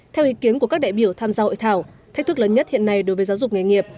theo ý kiến của các đại biểu tham gia hội thảo thách thức lớn nhất hiện nay đối với giáo dục nghề nghiệp